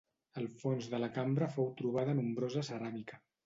Al fons de la cambra fou trobada nombrosa ceràmica.